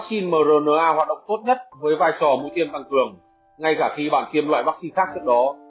nhiều nghiên cứu cho thấy những loại vắc xin mrna hoạt động tốt nhất với vai sò mũi tiêm tăng cường ngay cả khi bàn kiêm loại vắc xin khác trước đó